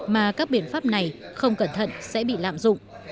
mà các biện pháp này không cẩn thận sẽ bị lạm dụng